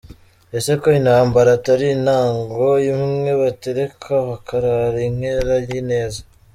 Ese ko intambara atari intango, Imwe batereka bakarara inkera y’ineza,